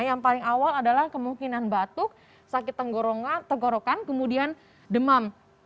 yang paling awal adalah kemungkinan batuk sakit tenggorokan kemudian demam